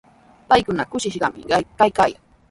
Paykuna kushishqami kaykaayan.